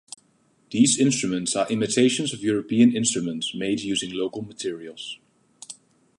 These instruments are imitations of European instruments, made using local materials.